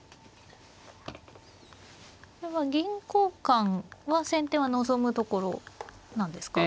これは銀交換は先手は望むところなんですか。